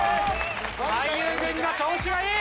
俳優軍の調子がいい！